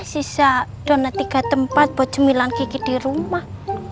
sisa donat tiga tempat buat jemilang kiki di rumah